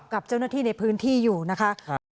กับเจ้าหน้าที่ในพื้นที่อยู่นะคะ